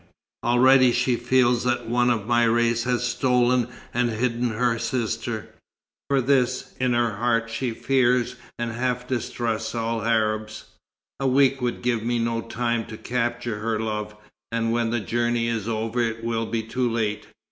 Already she feels that one of my race has stolen and hidden her sister; for this, in her heart, she fears and half distrusts all Arabs. A week would give me no time to capture her love, and when the journey is over it will be too late.